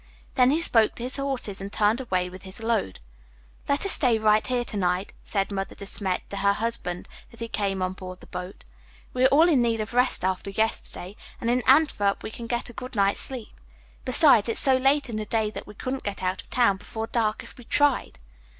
Then he spoke to his horses and turned away with his load. "Let us stay right here to night," said Mother De Smet to her husband as he came on board the boat. "We are all in need of rest after yesterday, and in Antwerp we can get a good night's sleep. Besides, it is so late in the day that we couldn't get out of town before dark if we tried."